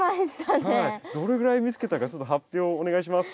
どれぐらい見つけたかちょっと発表お願いします。